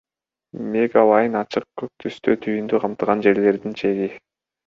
Мегалайн –ачык көк түстө, түйүндү камтыган жерлердин чеги.